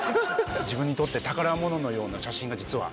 自分にとって宝物のような写真が実は。